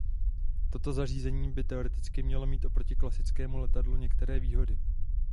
Toto zařízení by teoreticky mělo mít proti klasickému letadlu některé výhody.